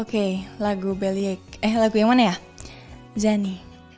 oke lagu belly ache eh lagu yang mana ya zany